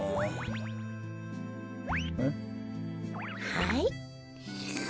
はい。